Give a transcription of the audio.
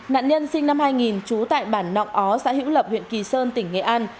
nạn nhân sinh năm hai nghìn trú tại bản nọng ó xã hữu lập huyện kỳ sơn tỉnh nghệ an